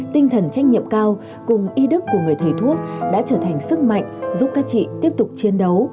tinh thần trách nhiệm cao cùng y đức của người thầy thuốc đã trở thành sức mạnh giúp các chị tiếp tục chiến đấu